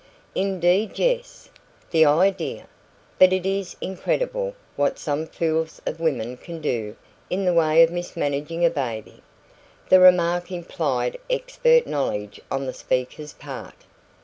"Indeed, yes. The idea! But it is incredible what some fools of women can do in the way of mismanaging a baby." The remark implied expert knowledge on the speaker's part.